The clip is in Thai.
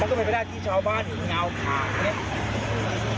มันก็เป็นไปได้ที่ชาวบ้านยังเงาขาด